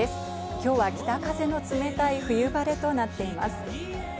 今日は北風の冷たい冬晴れとなっています。